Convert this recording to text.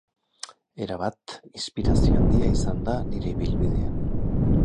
Erabat, inspirazio handia izan da nire ibilbidean.